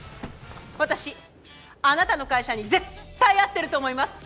私あなたの会社に絶対合ってると思います！